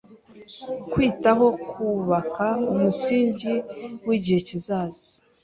kwitaho Kubaka umusingi wigihe kizaza